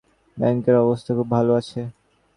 ব্যাংকের অবস্থা খুব ভালো আছে।